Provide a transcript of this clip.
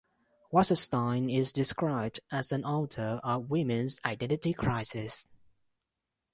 Wasserstein is described as an author of women's identity crises.